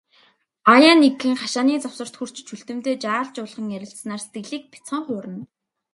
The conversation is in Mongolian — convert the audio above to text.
Хааяа нэгхэн, хашааны завсарт хүрч, Чүлтэмтэй жаал жуулхан ярилцсанаар сэтгэлийг бяцхан хуурна.